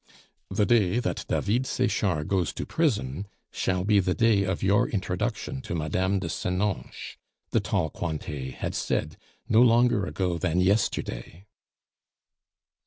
"The day that David Sechard goes to prison shall be the day of your introduction to Mme. de Senonches," the "tall Cointet" had said no longer ago than yesterday.